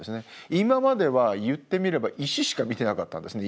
今までは言ってみれば石しか見てなかったんですね。